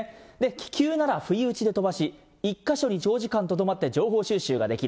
気球ならふいうちで飛ばし、一か所に長時間とどまって情報収集ができる。